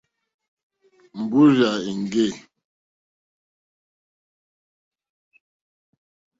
Mbúrzà èŋɡê.